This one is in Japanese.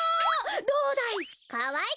どうだい？